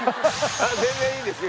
全然いいですよ